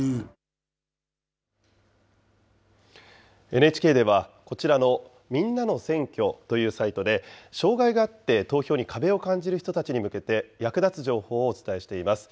ＮＨＫではこちらのみんなの選挙というサイトで、障害があって投票に壁を感じる人たちに向けて役立つ情報をお伝えしています。